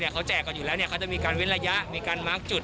ทางเขาแจกกันอยู่แล้วะเนี่ยเขาก็จะมีการเป็นระยะมีการมาร์คจุด